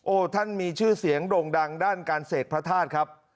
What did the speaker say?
ท่านมีชื่อเสียงโด่งดังด้านการเสกพระธาตุครับ